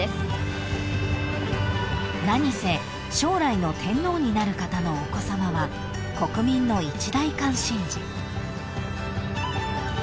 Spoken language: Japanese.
［何せ将来の天皇になる方のお子さまは国民の一大関心事］